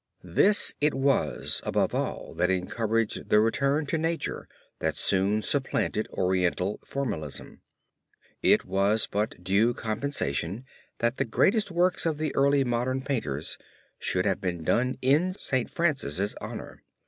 This it was above all that encouraged the return to nature that soon supplanted Oriental formalism. It was but due compensation that the greatest works of the early modern painters should have been done in St. Francis' honor.